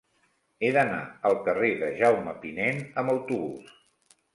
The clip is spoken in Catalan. He d'anar al carrer de Jaume Pinent amb autobús.